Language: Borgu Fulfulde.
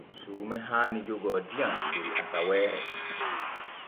Suume haani jooga diyam der asaweere.